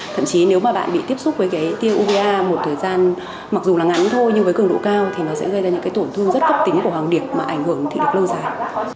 thậm chí nếu mà bạn bị tiếp xúc với cái tiêu uva một thời gian mặc dù là ngắn thôi nhưng với cường độ cao thì nó sẽ gây ra những cái tổn thương rất cấp tính của hoàng điệp mà ảnh hưởng thị lực lâu dài